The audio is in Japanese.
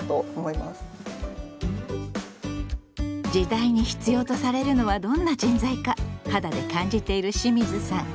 時代に必要とされるのはどんな人材か肌で感じている清水さん。